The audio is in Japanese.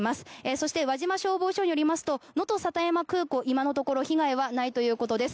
そして、和島消防署によりますとのと里山空港今のところ被害はないということです。